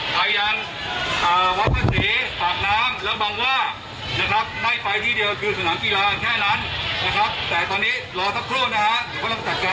เดี๋ยวฟังบริกาศสักครู่นะครับคุณผู้ชมครับ